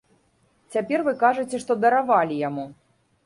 Цяпер вы кажаце, што даравалі яму.